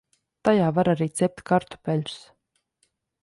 Tajā var arī cept kartupeļus.